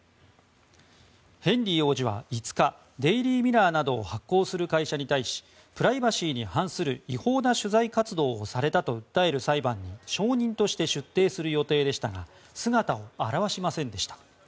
ヘンリー王子は５日デイリー・ミラーなどを発行する会社に対しプライバシーに反する違法な取材活動をされたと訴える裁判に証人として出廷する予定でしたが姿を現しませんでした。